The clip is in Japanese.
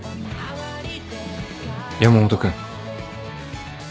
山本君。